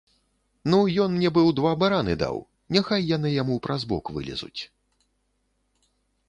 Ну, ён мне быў два бараны даў, няхай яны яму праз бок вылезуць.